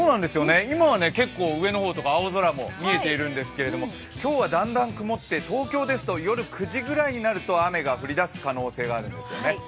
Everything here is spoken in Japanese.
今は結構、上の方とか青空が見えているんですけれども今日はだんだん曇って東京ですと夜９時ぐらいになると雨が降り出す可能性があるんですね。